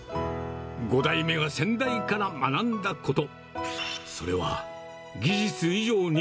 ５代目が先代から学んだこと。